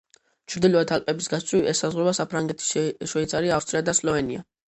ჩრდილოეთით, ალპების გასწვრივ ესაზღვრება საფრანგეთი, შვეიცარია, ავსტრია და სლოვენია.